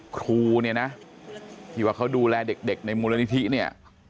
ครูเนี่ยนะที่ว่าเขาดูแลเด็กในมูลนิธิเนี่ย